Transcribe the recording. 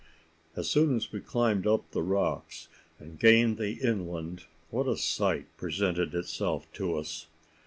As soon as we climbed up the rocks, and gained the inland, what a sight presented itself to us!